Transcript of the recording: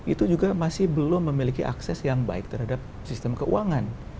itu juga masih belum memiliki akses yang baik terhadap sistem keuangan